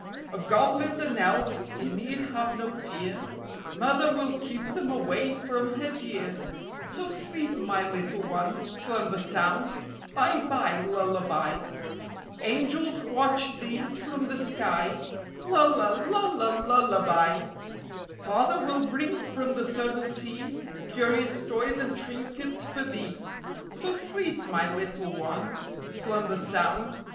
Of goblins and elfs ye need have no fear, Mother will keep them away from her dear So sleep, my little one, Slumber sound. Bye, bye, lullaby; Angels watch thee from the sky; Lulla, lulla, lullaby. Father will bring from the Southern sea Curious toys and trinkets for thee; So sleep, my little one, Slumber sound.